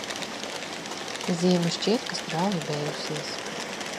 Ziema šķiet, ka strauji beigusies.